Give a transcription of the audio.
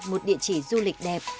một địa chỉ du lịch đẹp